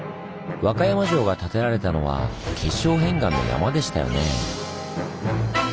和歌山城が建てられたのは結晶片岩の山でしたよね。